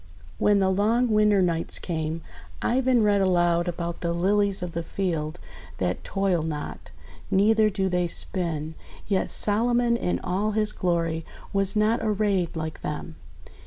When the long winter nights came, Ivan read THE BEAUTY OF THE LILY 35 aloud about the Lilies of the Field, that toil not, neither do they spin, yet Solomon in all his glory was not arrayed like them.